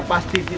bisa sudah datang